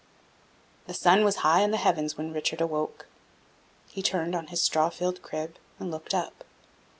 The sun was high in the heavens when Richard awoke. He turned on his straw filled crib, and looked up.